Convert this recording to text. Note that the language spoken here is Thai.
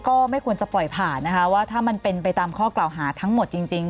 ก็ไม่ควรจะปล่อยผ่านนะคะว่าถ้ามันเป็นไปตามข้อกล่าวหาทั้งหมดจริง